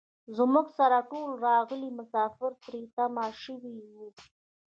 زموږ سره ټول راغلي مسافر تري تم شوي وو.